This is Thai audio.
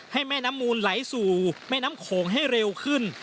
ให้แม่น้ำมูลไหลสู่แม่น้ำโขงให้เร็วขึ้น